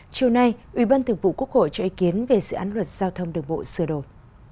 chiều nay ủy ban thường vụ quốc hội cho ý kiến về dự án luật giao thông đường bộ sửa đổi